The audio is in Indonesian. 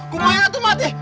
kumayan atau mati